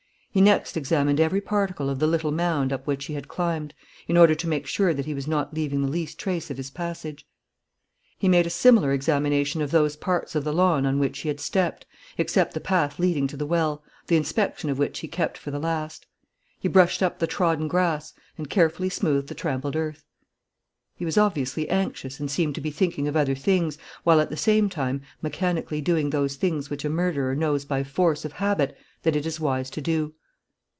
He next examined every particle of the little mound up which he had climbed, in order to make sure that he was not leaving the least trace of his passage. He made a similar examination of those parts of the lawn on which he had stepped, except the path leading to the well, the inspection of which he kept for the last. He brushed up the trodden grass and carefully smoothed the trampled earth. He was obviously anxious and seemed to be thinking of other things, while at the same time mechanically doing those things which a murderer knows by force of habit that it is wise to do.